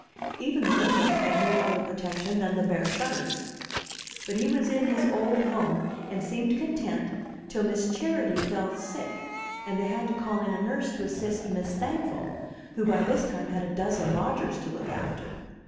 Even the windows had no other protection than the bare shutters. But he was in his old home, and seemed content till Miss Charity fell sick, and they had to call in a nurse to assist Miss Thankful, who by this time had a dozen lodgers to look after.